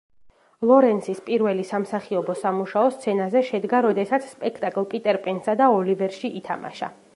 ლორენსის პირველი სამსახიობო სამუშაო სცენაზე შედგა, როდესაც სპექტაკლ პიტერ პენსა და ოლივერში ითამაშა.